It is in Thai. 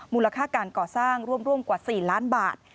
มูลค่าการก่อสร้างร่วมกว่า๔ล้านบาท